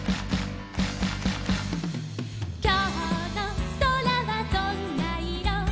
「きょうのそらはどんないろ？」